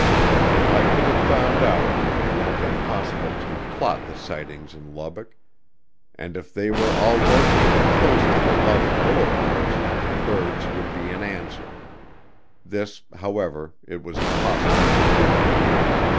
If I could have found out, it would have been possible to plot the sightings in Lubbock, and if they were all located close to the lighted boulevards, birds would be an answer. This, however, it was impossible to do.